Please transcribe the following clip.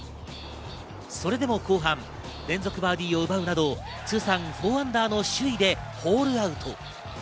それでも後半、連続バーディーを奪うなど通算４アンダーの首位でホールアウト。